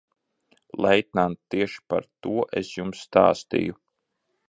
Leitnant, tieši par to es jums stāstīju.